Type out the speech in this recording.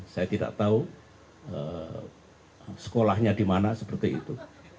saya tidak tahu sekolahnya di mana seperti itu